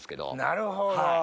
なるほど！